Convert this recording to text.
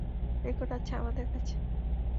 Record আছে আমাদের কাছে।